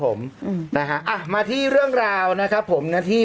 โอเคโอเคโอเคโอเคโอเคโอเคโอเคโอเคโอเค